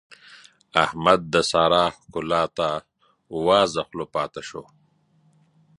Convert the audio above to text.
احمد د سارا ښکلا ته وازه خوله پاته شو.